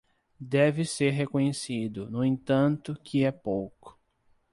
Deve ser reconhecido, no entanto, que é pouco.